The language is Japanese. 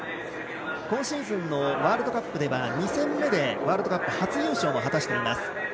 今シーズンのワールドカップでは２戦目でワールドカップ初優勝を果たしています。